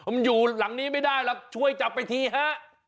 มันอยู่หลังนี้ไม่ได้หรอกช่วยจับไปทีฮะ